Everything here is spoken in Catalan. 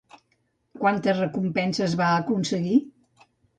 Quantes recompenses va aconseguir?